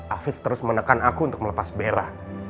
afif terus menekan aku untuk melepas bera